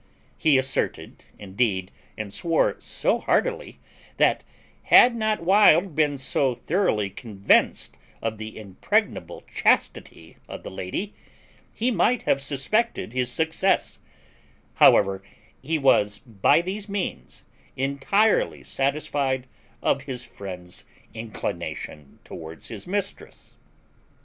He asserted indeed, and swore so heartily, that, had not Wild been so thoroughly convinced of the impregnable chastity of the lady, he might have suspected his success; however, he was, by these means, entirely satisfied of his friend's inclination towards his mistress.